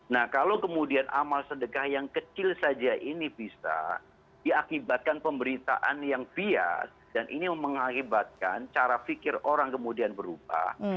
nah kalau kemudian amal sedekah yang kecil saja ini bisa diakibatkan pemberitaan yang bias dan ini mengakibatkan cara fikir orang kemudian berubah